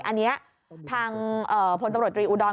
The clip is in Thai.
อันนี้พลตำรวจรีอูดอล